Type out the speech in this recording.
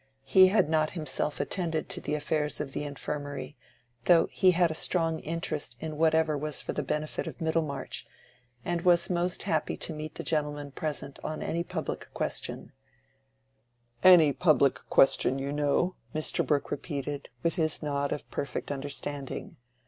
He had not himself attended to the affairs of the Infirmary, though he had a strong interest in whatever was for the benefit of Middlemarch, and was most happy to meet the gentlemen present on any public question—"any public question, you know," Mr. Brooke repeated, with his nod of perfect understanding.